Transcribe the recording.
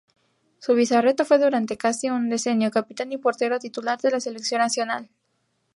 Zubizarreta fue durante casi un decenio, capitán y portero titular de la selección nacional.